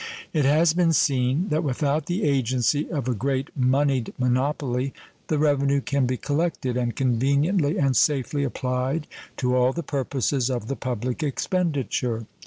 It has been seen that without the agency of a great moneyed monopoly the revenue can be collected and conveniently and safely applied to all the purposes of the public expenditure.